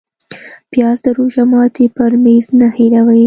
پیاز د روژه ماتي پر میز نه هېروې